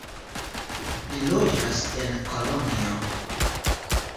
Li loĝas en Kolonjo.